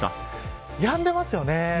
やんでいますよね。